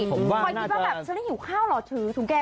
คล้อยินว่าเชรี่หิ้วข้าวหรอ